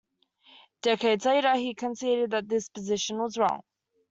Decades later, he conceded that this position was wrong.